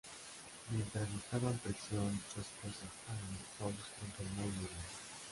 Mientras estaba en prisión, su esposa Hannah House enfermó y murió.